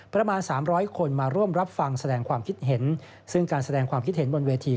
ประมาณ๓๐๐คนมาร่วมรับฟังแสดงความคิดเห็นซึ่งการแสดงความคิดเห็นบนเวที